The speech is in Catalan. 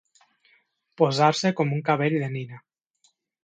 Posar-se com un cabell de nina.